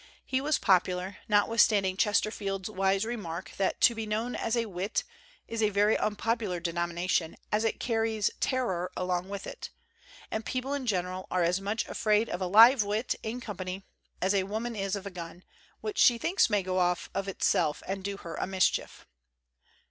He was popular, notwithstanding Chesterfield's wise remark that to be known as a wit "is a very unpopular de nomination, as it carries terror along with it; and people in general are as much afraid of a live wit, in company, as a woman is of a gun, which she thinks may go off of itself and do her a mischief.